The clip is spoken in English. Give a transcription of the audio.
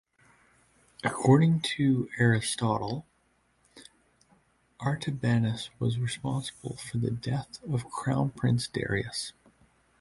According to Aristotle, Artabanus was responsible for the death of Crown Prince Darius.